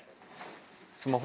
スマホ？